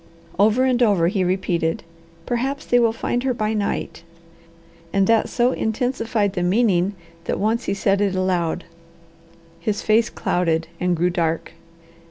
Over and over he repeated, "Perhaps they will find her by night!" and that so intensified the meaning that once he said it aloud. His face clouded and grew dark.